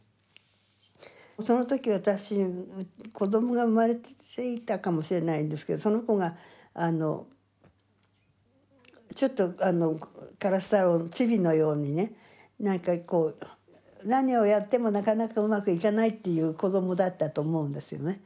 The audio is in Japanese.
その時私子どもが生まれついたかもしれないんですけどその子があのちょっとあのからすたろうのちびのようにねなんかこう何をやってもなかなかうまくいかないっていう子どもだったと思うんですよね。